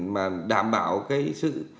và đảm bảo cái sự